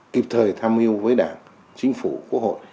kịp thời tham mưu với đảng chính phủ quốc hội